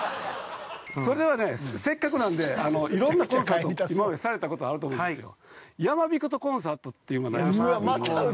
それでは、せっかくなんでいろんなコンサートを今までされたことがあると思うんですけど、やまびことコンサートというのは、ないでしょう？